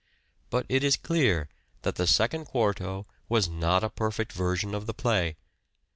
But it is clear that the Second Quarto was not a perfect version of the play.